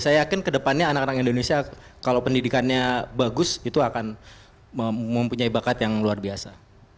saya yakin kedepannya anak anak indonesia kalau pendidikannya bagus itu akan mempunyai bakat yang luar biasa